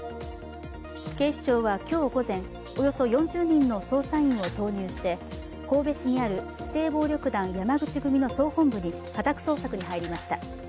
警視庁は今日午前およそ４０人の捜査員を投入して神戸市にある指定暴力団山口組の総本部に家宅捜索に入りました。